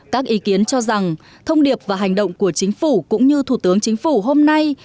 các ý kiến cho rằng thông điệp và hành động của chính phủ cũng như thủ tướng chính phủ hôm nay